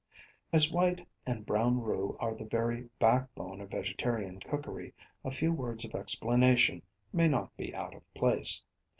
As white and brown roux are the very backbone of vegetarian cookery a few words of explanation may not be out of place.